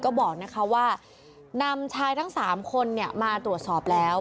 ก็บอกนะคะว่านำชายทั้ง๓คนมาตรวจสอบแล้ว